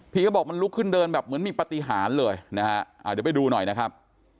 เขาบอกมันลุกขึ้นเดินแบบเหมือนมีปฏิหารเลยนะฮะอ่าเดี๋ยวไปดูหน่อยนะครับ